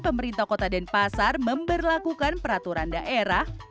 pemerintah kota denpasar memberlakukan peraturan daerah